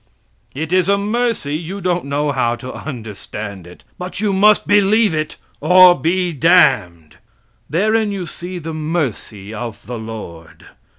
It is a mercy you don't know how to understand it, but you must believe it or be damned. Therein you see the mercy of the Lord.